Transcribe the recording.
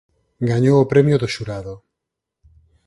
Gañou o Premio do Xurado.